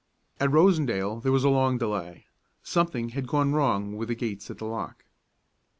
At Rosendale there was a long delay. Something had gone wrong with the gates at the lock.